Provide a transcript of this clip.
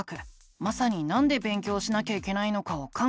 まさになんで勉強しなきゃいけないのかを考える回があるんだ。